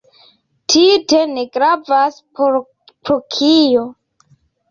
Tute ne gravas, pro kio.